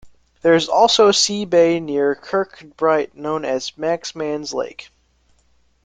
There is also a sea bay near Kirkcudbright known as Manxman's Lake.